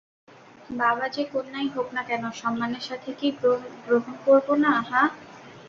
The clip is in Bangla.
বাবা - যে কন্যাই হোক না কেন সম্মানের সাথে কি গ্রহণ করবো না, হাহ?